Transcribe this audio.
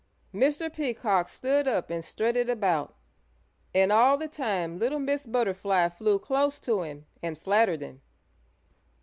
Mr. Peacock stood up and strutted about, and all the time little Miss Butterfly flew close to him and flattered him.